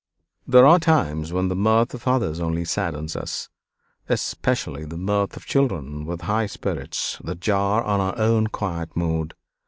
There are times when the mirth of others only saddens us, especially the mirth of children with high spirits, that jar on our own quiet mood.